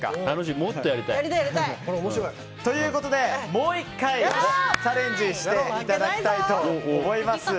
もっとやりたい！ということで、もう１回チャレンジしていただきたいと思います。